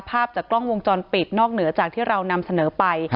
ภาพจากกล้องวงจรปิดนอกเหนือจากที่เรานำเสนอไป